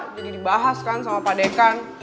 jadi dibahas kan sama pak dekan